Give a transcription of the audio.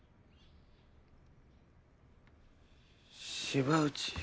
芝内。